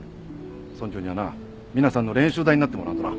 村長にはなミナさんの練習台になってもらわんとな。